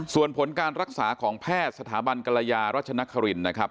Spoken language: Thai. ส่วนผลการรักษาของแพทย์สถาบันกรยารัชนครินนะครับ